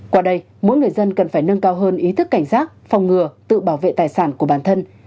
qua đây mỗi người dân cần phải nâng cao hơn ý thức cảnh giác phòng ngừa tự bảo vệ tài sản của bản thân